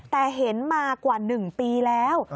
แต่เห็นมากว่า๑ปีแล้ว